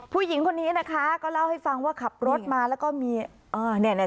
ผู้หญิงคนนี้นะคะก็เล่าให้ฟังว่าขับรถมาแล้วก็มี